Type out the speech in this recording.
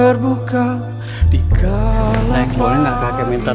lo gak usah capek capek ke masjid